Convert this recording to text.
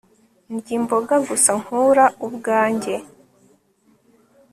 ndya imboga gusa nkura ubwanjye